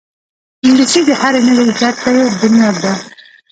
انګلیسي د هرې نوې زده کړې بنیاد ده